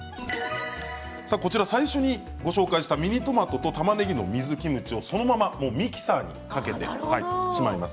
最初にご紹介したミニトマトとたまねぎの水キムチはそのままミキサーにかけてしまいます。